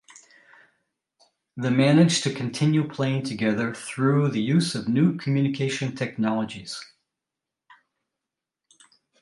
The manage to continue playing together through the use of the new communication technologies.